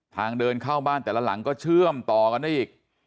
ทางเดินเข้าบ้านแต่ละหลังก็เชื่อมต่อกันได้อีก